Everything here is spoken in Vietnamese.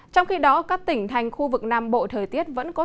trong khi đó các tỉnh thành khu vực nam bộ thời tiết vẫn có